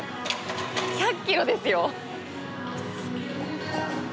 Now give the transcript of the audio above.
１００ｋｇですよ！